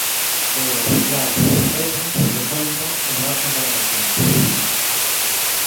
Pero, claro, veñen, recólleno e marchan para a casiña.